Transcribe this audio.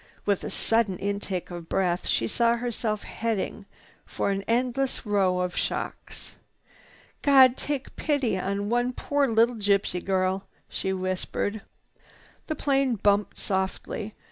With a sudden intake of breath, she saw herself headed for an endless row of shocks. "God take pity on one poor little gypsy girl!" she whispered. The plane bumped softly.